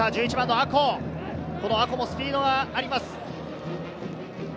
阿児もスピードがあります。